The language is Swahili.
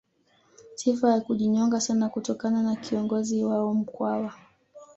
Sifa ya kujinyonga sana kutokana na kiongozi wao Mkwawa